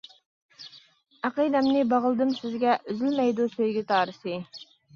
ئەقىدەمنى باغلىدىم سىزگە، ئۈزۈلمەيدۇ سۆيگۈ تارىسى.